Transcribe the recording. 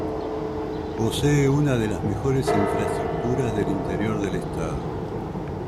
Posee una de las mejores infraestructuras del interior del estado.